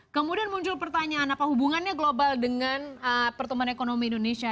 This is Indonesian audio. kemudian muncul pertanyaan apa hubungannya global dengan pertumbuhan ekonomi indonesia